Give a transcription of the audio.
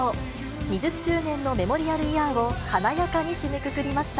２０周年のメモリアルイヤーを、華やかに締めくくりました。